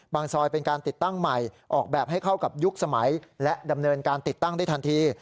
ซอยเป็นการติดตั้งใหม่ออกแบบให้เข้ากับยุคสมัยและดำเนินการติดตั้งได้ทันที